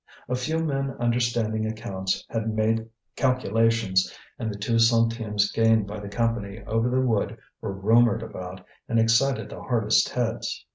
A few men understanding accounts had made calculations, and the two centimes gained by the Company over the wood were rumoured about, and excited the hardest heads.